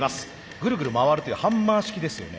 グルグル回るというハンマー式ですよね。